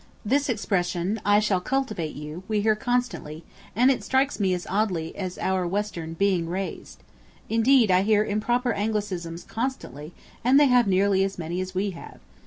This expression, "I shall cultivate you," we hear constantly, and it strikes me as oddly as our Western "being raised." Indeed, I hear improper Anglicisms constantly, and they have nearly as many as we have.